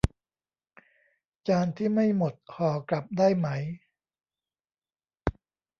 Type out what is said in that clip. จานที่ไม่หมดห่อกลับได้ไหม